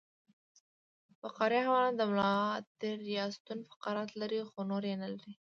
فقاریه حیوانات د ملا تیر یا ستون فقرات لري خو نور یې نلري